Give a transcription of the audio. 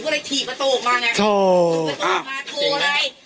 เดี๋ยวย่อนก่อน